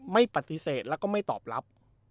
ไม่ปฏิเสธแล้วก็ไม่ตอบรับ